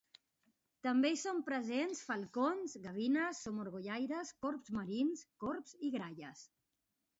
També hi són presents falcons, gavines, somorgollaires, corbs marins, corbs i gralles.